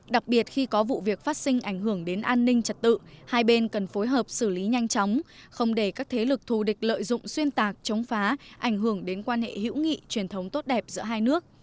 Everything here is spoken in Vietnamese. đặc biệt khi có vụ việc phát sinh ảnh hưởng đến an ninh trật tự hai bên cần phối hợp xử lý nhanh chóng không để các thế lực thù địch lợi dụng xuyên tạc chống phá ảnh hưởng đến quan hệ hữu nghị truyền thống tốt đẹp giữa hai nước